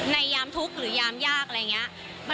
ยามทุกข์หรือยามยากอะไรอย่างนี้